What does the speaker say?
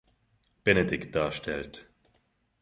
Benedikt darstellt.